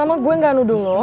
panik gak panik gak